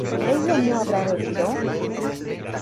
¿ella no habrá bebido?